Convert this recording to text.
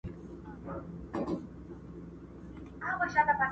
o دسترخان ته مه گوره، تندي ته ئې گوره.